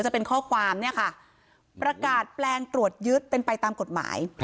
จะเป็นข้อความเนี่ยค่ะประกาศแปลงตรวจยึดเป็นไปตามกฎหมาย